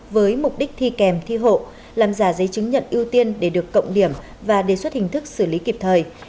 với mục đích thi kèm thi hộ làm giả giấy chứng nhận ưu tiên để được cộng điểm và đề xuất hình thức xử lý kịp thời